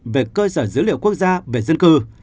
về cơ sở dữ liệu quốc gia về dân cư